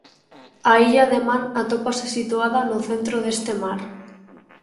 A Illa de Man atópase situada no centro deste mar.